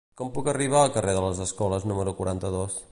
Com puc arribar al carrer de les Escoles número quaranta-dos?